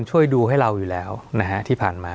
สวัสดีครับทุกผู้ชม